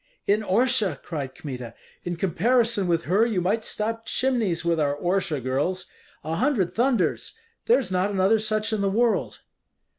"In Orsha?" cried Kmita. "In comparison with her you might stop chimneys with our Orsha girls! A hundred thunders! there's not another such in the world."